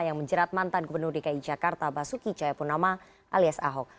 yang menjerat mantan gubernur dki jakarta basuki cayapunama alias ahok